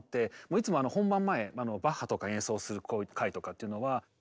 いつも本番前バッハとか演奏する会とかっていうのはえっ！